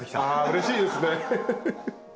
うれしいですね！